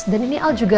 dan ini al juga